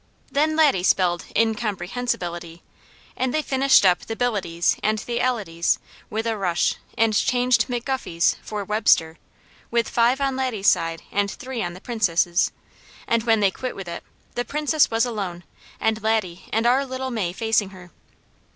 Then Laddie spelled "incomprehensibility," and they finished up the "bilities" and the "alities" with a rush and changed McGuffey's for Webster, with five on Laddie's side and three on the Princess', and when they quit with it, the Princess was alone, and Laddie and our little May facing her.